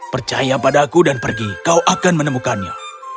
percaya padaku dan pergi kau akan menemukannya